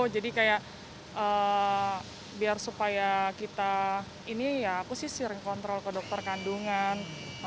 jadi kayak biar supaya kita ini ya aku sih sering kontrol ke dokter kandungan